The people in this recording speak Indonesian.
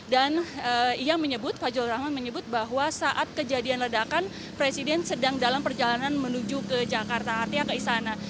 dan ia menyebut fajrul rahman menyebut bahwa saat kejadian ledakan presiden sedang dalam perjalanan menuju ke jakarta artinya ke istana